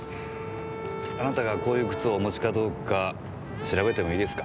あなたがこういう靴をお持ちかどうか調べてもいいですか？